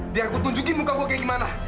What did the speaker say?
biar aku tunjukin muka gue kayak gimana